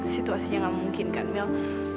situasinya gak mungkin kan mil